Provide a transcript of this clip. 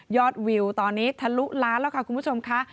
วิวตอนนี้ทะลุล้านแล้วค่ะคุณผู้ชมค่ะ